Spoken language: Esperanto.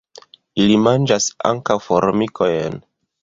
Ili manĝas ankaŭ formikojn.